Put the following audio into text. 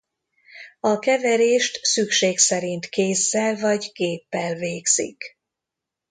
A keverést szükség szerint kézzel vagy géppel végzik.